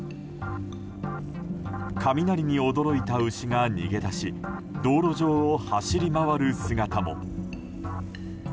雷に驚いた牛が逃げ出し道路上を走り回る姿も。